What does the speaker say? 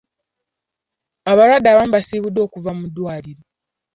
Abalwadde abamu baasiibuddwa okuva mu ddwaliro.